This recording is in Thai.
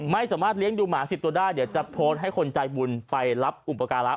ไม่สามารถเลี้ยงดูหมา๑๐ตัวได้เดี๋ยวจะโพสต์ให้คนใจบุญไปรับอุปการะ